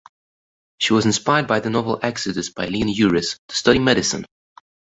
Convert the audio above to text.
She was inspired by the novel "Exodus" by Leon Uris to study medicine.